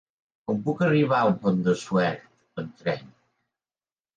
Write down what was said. Com puc arribar al Pont de Suert amb tren?